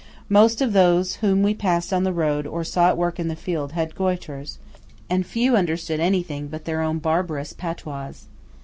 Most of those whom we passed on the road or saw at work in the fields had goîtres; and few understood anything but their own barbarous patois.